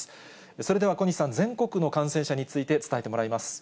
それでは小西さん、全国の感染者について伝えてもらいます。